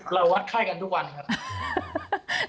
วัดไข้กันทุกวันครับ